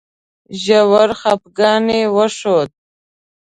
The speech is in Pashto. ژور خپګان یې وښود.